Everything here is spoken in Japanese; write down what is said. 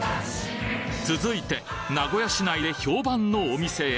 続いて、名古屋市内で評判のお店へ。